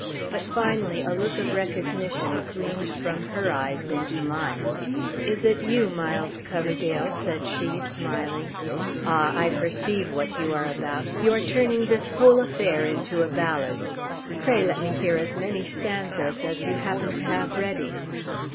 But, finally, a look of recognition gleamed from her eyes into mine. "Is it you, Miles Coverdale?" said she, smiling. "Ah, I perceive what you are about! You are turning this whole affair into a ballad. Pray let me hear as many stanzas as you happen to have ready."